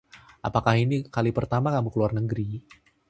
Apakah ini kali pertama kamu ke luar negeri?